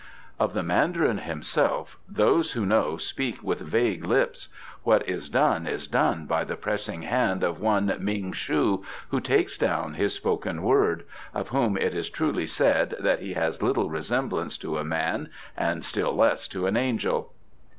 "Of the Mandarin himself those who know speak with vague lips. What is done is done by the pressing hand of one Ming shu, who takes down his spoken word; of whom it is truly said that he has little resemblance to a man and still less to an angel."